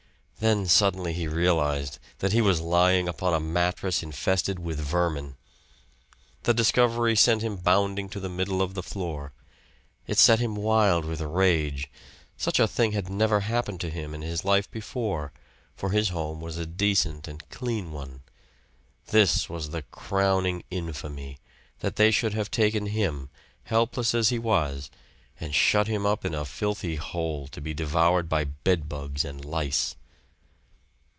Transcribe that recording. Then suddenly he realized that he was lying upon a mattress infested with vermin. The discovery sent him bounding to the middle of the floor. It set him wild with rage. Such a thing had never happened to him in his life before, for his home was a decent and clean one. This was the crowning infamy that they should have taken him, helpless as he was, and shut him up in a filthy hole to be devoured by bedbugs and lice.